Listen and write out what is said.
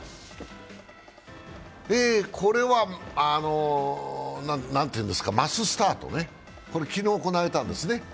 これはマススタートね、昨日行われたんですね。